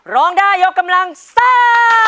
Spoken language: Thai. รองด้ายกำลังซ่า